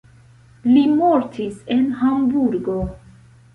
Li mortis en Hamburgo.